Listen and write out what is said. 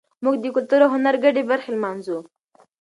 موږ د کلتور او هنر ګډې برخې لمانځو.